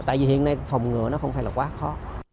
tại vì hiện nay phòng ngừa nó không phải là quá khó